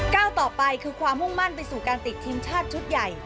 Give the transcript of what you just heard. ก้าวต่อไปคือความมุ่งมั่นไปสู่การติดทีมชาติชุดใหญ่